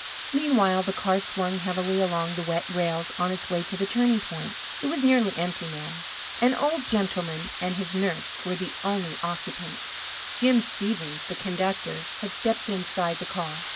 Meanwhile, the car swung heavily along the wet rails on its way to the turning point. It was nearly empty now. An old gentleman and his nurse were the only occupants. Jim Stevens, the conductor, had stepped inside the car.